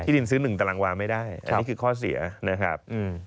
ดินซื้อ๑ตารางวาไม่ได้อันนี้คือข้อเสียนะครับ